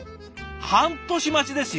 半年待ちですよ